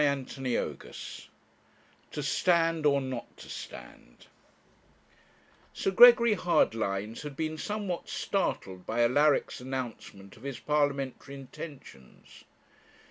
CHAPTER XXXIII TO STAND, OR NOT TO STAND Sir Gregory Hardlines had been somewhat startled by Alaric's announcement of his parliamentary intentions.